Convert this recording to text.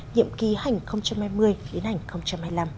nhiệm ký hành hai mươi đến hành hai mươi năm